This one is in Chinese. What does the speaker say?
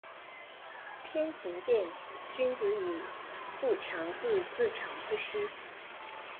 天行健，君子以不强自……自强不息。